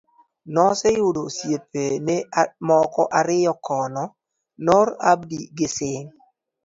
Noseyudo osiepene moko ariyo kono, Noor Abdi gi Singh